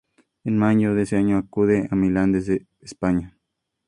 En mayo de ese año acude a Milán desde España.